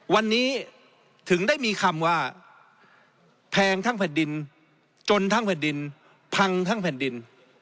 วันนี้ถึงได้มีคำว่าแพงทั้งแผ่นดินจนทั้งแผ่นดินพังทั้งแผ่นดิน